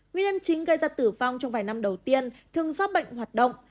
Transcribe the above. nguyên nhân chính gây ra tử vong trong vài năm đầu tiên thường do bệnh hoạt động